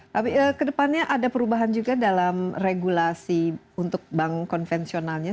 tapi kedepannya ada perubahan juga dalam regulasi untuk bank konvensionalnya